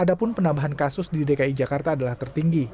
adapun penambahan kasus di dki jakarta adalah tertinggi